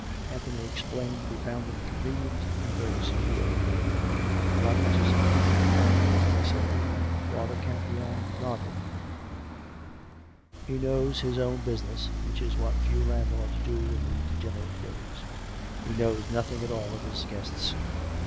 Anthony explained that he found them convenient and very secure. " Roberts is a prudent landlord," he said. Father Campion nodded. " He knows his own business, which is what few land lords do, in these degenerate days; and he knows nothing at all of his guests'.